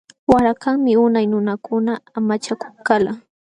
Warakawanmi unay nunakuna amachakulkalqa.